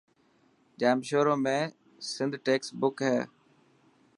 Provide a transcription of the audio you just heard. ڄامشوري ۾ سنڌ ٽيڪسٽ بڪ هي.